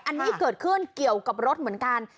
อันนี้เกิดขึ้นเกี่ยวกับรถเหมือนกัน